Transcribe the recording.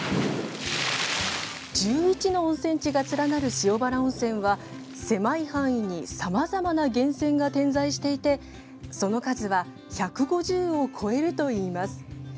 １１の温泉地が連なる塩原温泉は狭い範囲にさまざまな源泉が点在していてその数は１５０を超えるといいます。